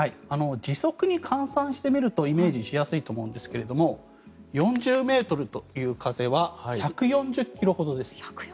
時速に換算してみるとイメージしやすいと思うんですが４０ｍという風は１４０ｋｍほどです。